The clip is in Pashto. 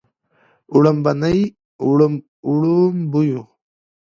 وړومبني وړومبيو